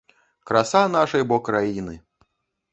Краса нашай бо краіны!